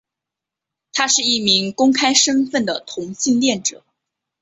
他是一名公开身份的同性恋者。